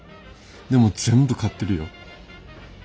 でも全部買ってるよ。